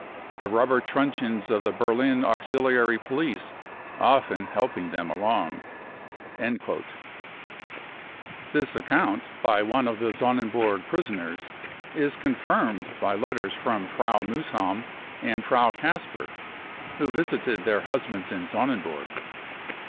the rubber truncheons of the Berlin\uxiliary police often helping them along." This account by one of the Sonnenburg prisoners is confirmed by letters from Frau Muhsam and Frau Kasper, who visited their husbands in Sonnenburg.